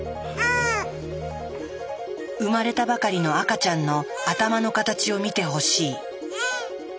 生まれたばかりの赤ちゃんの頭の形を見てほしい。